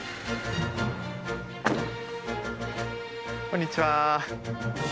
こんにちは。